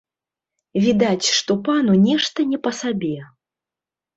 Відаць, што пану нешта не па сабе.